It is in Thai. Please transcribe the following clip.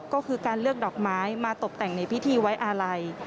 ก็คือการเลือกดอกไม้มาตกแต่งในพิธีไว้อาลัย